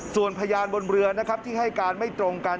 ส่วนพยานบนเรือนะครับที่ให้การไม่ตรงกัน